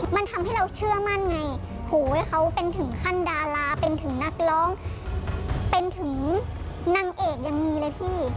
มันทำให้เราเชื่อมั่นไงโหเขาเป็นถึงขั้นดาราเป็นถึงนักร้องเป็นถึงนางเอกยังมีเลยพี่